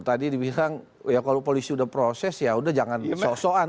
kalau polisi udah proses yaudah jangan sosokan